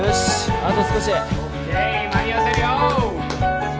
あと少しＯＫ間に合わせるよし